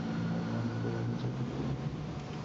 افغان د خپل وطن ساتونکی دی.